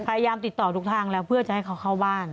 พยายามติดต่อทุกทางแล้วเพื่อจะให้เขาเข้าบ้าน